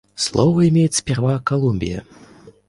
Слово имеет сперва Колумбия.